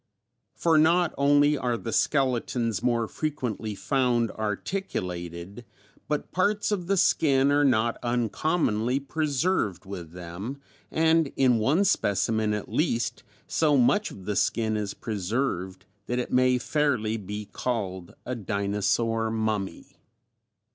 For not only are the skeletons more frequently found articulated, but parts of the skin are not uncommonly preserved with them, and in one specimen at least, so much of the skin is preserved that it may fairly be called a "dinosaur mummy."